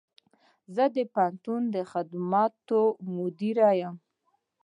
زه د پوهنتون د خدماتو مدیر یم